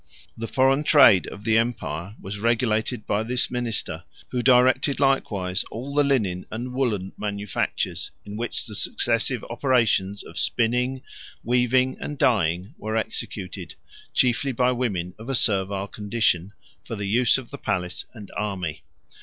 The foreign trade of the empire was regulated by this minister, who directed likewise all the linen and woollen manufactures, in which the successive operations of spinning, weaving, and dyeing were executed, chiefly by women of a servile condition, for the use of the palace and army.